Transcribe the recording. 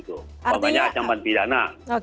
umpamanya acaman pidana